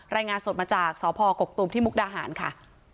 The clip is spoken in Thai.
รายงานสดมาจากสพกกตูมที่มุกดาหารค่ะ